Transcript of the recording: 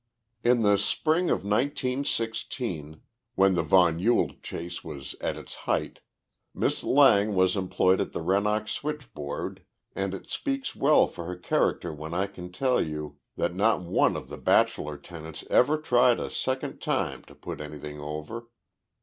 In the spring of nineteen sixteen, when the von Ewald chase was at its height, Miss Lang was employed at the Rennoc switchboard and it speaks well for her character when I can tell you that not one of the bachelor tenants ever tried a second time to put anything over.